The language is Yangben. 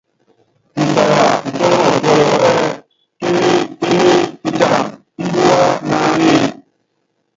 Tusaya tutɔ́ŋɔ tuɔyɔ ɛ́ɛ: kéŋél kéŋél, itam ímbíwá naánéé?